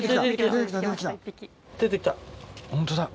ホントだ。